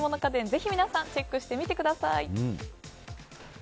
ぜひ皆さんチェックしてみてください。